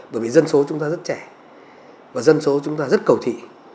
bởi vì dân số chúng ta rất trẻ và dân số chúng ta rất cầu thị